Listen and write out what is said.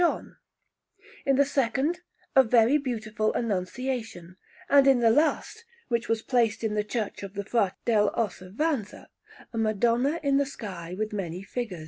John; in the second, a very beautiful Annunciation; and in the last, which was placed in the Church of the Frati dell' Osservanza, a Madonna in the sky with many figures.